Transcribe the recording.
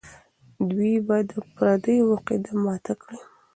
دوی به د پردیو عقیده ماته کړي.